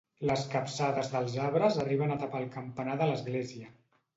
Les capçades dels arbres arriben a tapar el campanar de l'església.